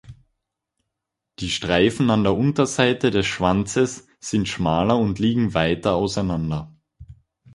Die Streifen an der Unterseite des Schwanzes sind schmaler und liegen weiter auseinander.